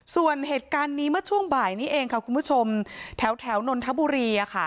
ส่วนเหตุการณ์นี้เมื่อช่วงบ่ายนี้เองค่ะคุณผู้ชมแถวนนทบุรี